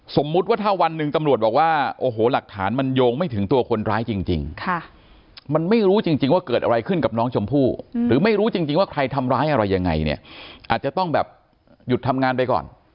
สมมุติว่าถ้าวันหนึ่งตำรวจบอกว่าโอ้โหหลักฐานมันโยงไม่ถึงตัวคนร้ายจริงมันไม่รู้จริงว่าเกิดอะไรขึ้นกับน้องชมพู่หรือไม่รู้จริงว่าใครทำร้ายอะไรยังไงเนี่ยอาจจะต้องแบบหยุดทำงานไปก่อน